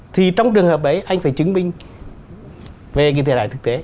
thì trong trường hợp ấy anh phải chứng minh về cái thiệt hại thực tế